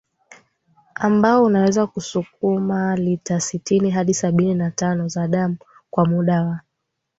ambao unaweza kusukuma lita sitini hadi sabini na tano za damu kwa muda wa